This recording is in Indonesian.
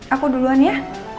aku duluan ya